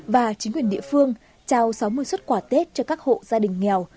và chính quyền địa phương trao sáu mươi xuất quà tết cho các hộ gia đình nghèo